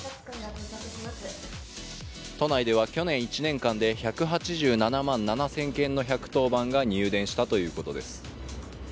都内では去年１年間で１８７万７０００件の１１０番が入電したということです。